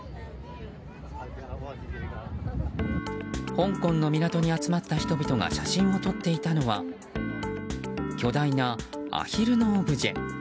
香港の港に集まった人々が写真を撮っていたのは巨大なアヒルのオブジェ。